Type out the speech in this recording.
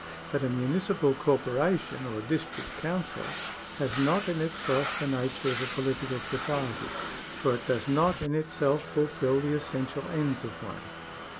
But a municipal corporation or a district council has not in itself the nature of a political society, for it docs not in itself fulfil the essential ends of one.